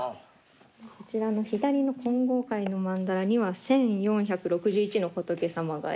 こちら左の金剛界の曼荼羅には１，４６１の仏様が描かれて。